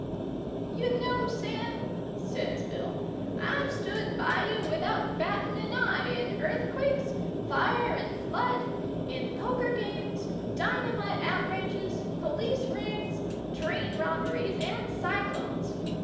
"You know, Sam," says Bill, "I've stood by you without batting an eye in earthquakes, fire and flood—in poker games, dynamite outrages, police raids, train robberies and cyclones.